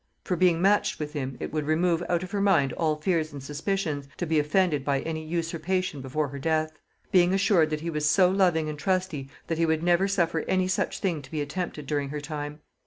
For being matched with him, it would remove out of her mind all fears and suspicions, to be offended by any usurpation before her death. Being assured that he was so loving and trusty that he would never suffer any such thing to be attempted during her time.